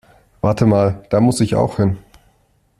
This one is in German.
Wartet mal, da muss ich auch hin.